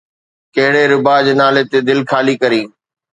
ڪهڙي ربا جي نالي تي دل خالي ڪرين؟